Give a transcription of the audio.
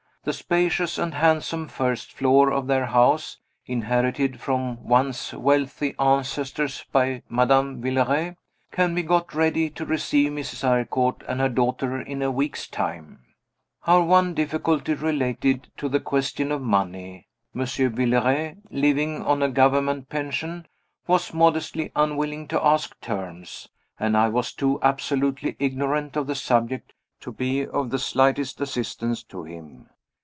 The spacious and handsome first floor of their house (inherited from once wealthy ancestors by Madame Villeray) can be got ready to receive Mrs. Eyrecourt and her daughter in a week's time. Our one difficulty related to the question of money. Monsieur Villeray, living on a Government pension, was modestly unwilling to ask terms; and I was too absolutely ignorant of the subject to be of the slightest assistance to him.